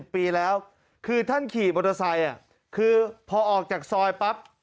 ปีแล้วคือท่านขี่มอเตอร์ไซค์คือพอออกจากซอยปั๊บ